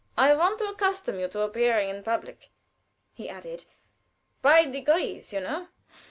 "I want to accustom you to appearing in public," he added. "By degrees, you know.